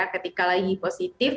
ketika lagi positif